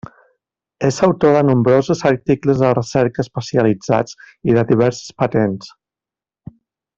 És autor de nombrosos articles de recerca especialitzats i de diverses patents.